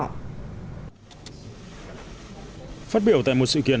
trong bài phát biểu tại một sự kiện